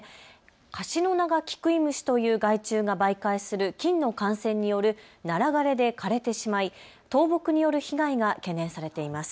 カシノナガキクイムシという害虫が媒介する菌の感染によるナラ枯れで枯れてしまい倒木による被害が懸念されています。